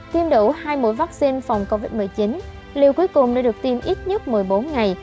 tiêm đủ hai mũi vaccine phòng covid một mươi chín liều cuối cùng đã được tiêm ít nhất một mươi bốn ngày